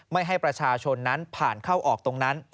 ไม่ให้ประชาชนนั้นผ่านเข้าออกตรงนั้น